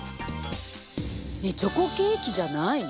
ねえチョコケーキじゃないの？